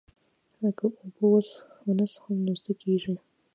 که اوبه ونه څښو نو څه کیږي